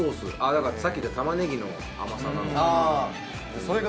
だからさっき言った玉ねぎの甘さなのか